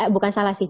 bukan salah sih